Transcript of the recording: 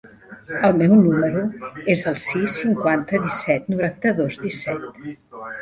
El meu número es el sis, cinquanta, disset, noranta-dos, disset.